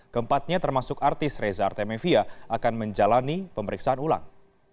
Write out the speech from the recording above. keempatnya termasuk artis reza artemevia akan menjalani pemeriksaan ulang